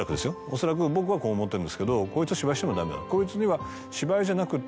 恐らく僕はこう思ってるんですけど「こいつと芝居してもダメだこいつには」。